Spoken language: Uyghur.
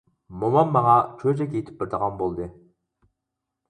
مومام ماڭا چۆچەك ئېيتىپ بېرىدىغان بولدى.